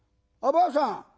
ばあさん